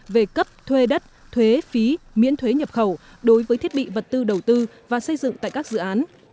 về cấp thuê đất thuế phí miễn thuế nhập khẩu đối với thiết bị vật tư đầu tư và xây dựng tại các dự án